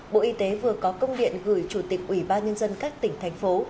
bộ y tế vừa có công điện gửi chủ tịch ủy ban nhân dân các tỉnh thành phố